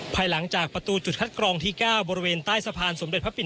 ภายหลังจากประตูจุดคัดกรองที่๙บริเวณใต้สะพานสมเด็จพระปิ่น